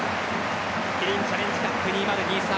キリンチャレンジカップ２０２３